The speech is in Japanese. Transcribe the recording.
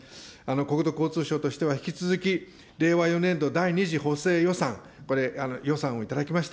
国土交通省としては、引き続き、令和４年度第２次補正予算、これ、予算を頂きました。